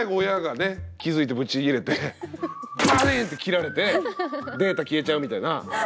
気付いてぶち切れてバリーンって切られてデータ消えちゃうみたいな。